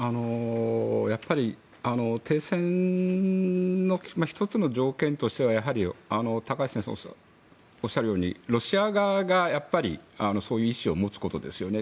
やっぱり停戦の１つの条件としては高橋先生がおっしゃるようにロシア側が、そういう意思を持つことですよね。